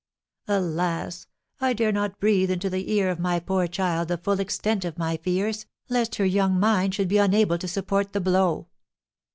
Alas, I dare not breathe into the ear of my poor child the full extent of my fears, lest her young mind should be unable to support the blow!